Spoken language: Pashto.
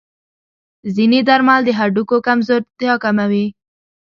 ځینې درمل د هډوکو کمزورتیا کموي.